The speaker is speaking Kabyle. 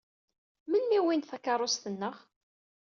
Melmi i wwint takeṛṛust-nneɣ?